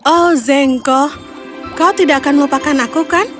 oh zengko kau tidak akan melupakan aku kan